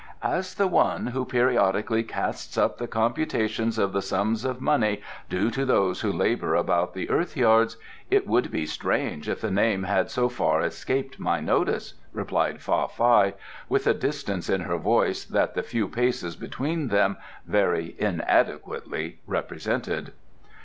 "As the one who periodically casts up the computations of the sums of money due to those who labour about the earth yards, it would be strange if the name had so far escaped my notice," replied Fa Fai, with a distance in her voice that the few paces between them very inadequately represented.